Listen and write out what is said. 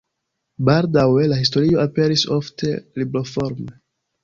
Baldaŭe la historio aperis ofte libroforme.